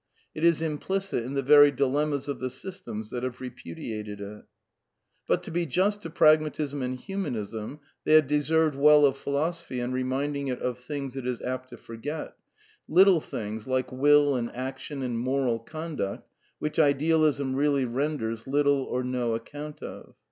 It is implicit in the very dilemmas of the systems that have repudiated it. But, to be just to Pragmatism and Humanism, they have deserved well of philosophy in reminding it of things it is jp apt to forget ; little things, like Will and action and moral^ '^ conduct, which Idealism really renders little or no account of.